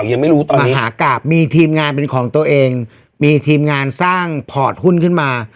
ยังไม่รู้ตัวมหากราบมีทีมงานเป็นของตัวเองมีทีมงานสร้างพอร์ตหุ้นขึ้นมา